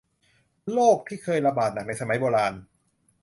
โรคที่เคยระบาดหนักในสมัยโบราณ